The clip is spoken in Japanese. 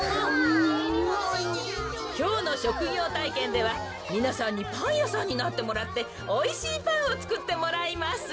きょうのしょくぎょうたいけんではみなさんにパンやさんになってもらっておいしいパンをつくってもらいます。